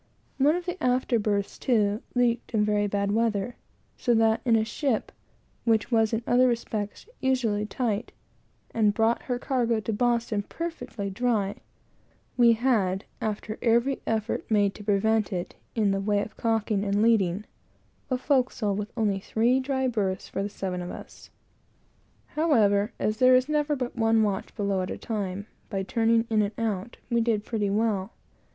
One of the after berths, too, leaked in very bad weather; so that in a ship which was in other respects as tight as a bottle, and brought her cargo to Boston perfectly dry, we had, after every effort made to prevent it, in the way of caulking and leading, a forecastle with only three dry berths for seven of us. However, as there is never but one watch below at a time, by 'turning in and out,' we did pretty well.